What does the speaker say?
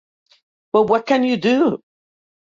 But what can you do?